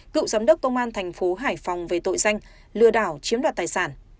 cựu giám đốc công an tp hải phòng về tội danh lừa đảo chiếm đoạt tài sản